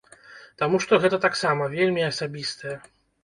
Таму што гэта таксама вельмі асабістае.